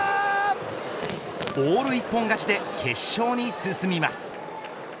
オール一本勝ちで決勝に進みます。